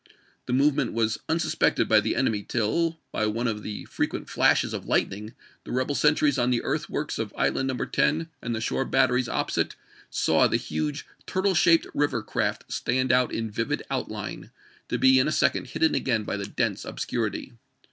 The movement was unsuspected by the enemy till, by one of the frequent flashes of lightning, the rebel sentries on the earthworks of Island No. 10 and the shore batteries opposite, saw the huge turtle shaped river craft stand out in vivid outline, to be in a second hidden again by the dense obscurity.